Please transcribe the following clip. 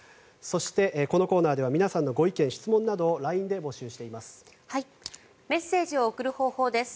そして、このコーナーでは皆さんのご意見・ご質問などをＬＩＮＥで募集しています。